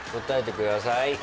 答えてください。